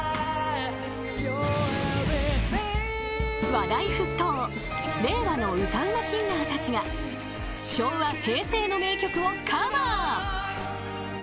［話題沸騰令和の歌うまシンガーたちが昭和平成の名曲をカバー］